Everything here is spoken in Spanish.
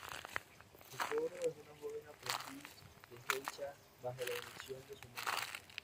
Kokoro es una joven aprendiz de Geisha, bajo la dirección de su madre.